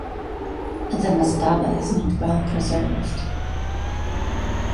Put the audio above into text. The mastaba is not well preserved.